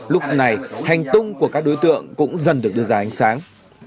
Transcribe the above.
lúc này hành tung của các đối tượng cũng dần được đưa ra ánh sáng